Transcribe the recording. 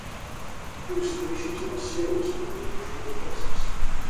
A few species are serious agricultural pests.